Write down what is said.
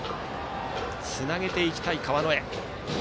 つなげていきたい川之江。